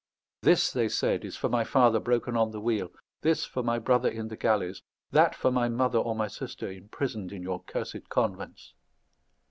"This," they said, "is for my father broken on the wheel. This for my brother in the galleys. That for my mother or my sister imprisoned in your cursed convents."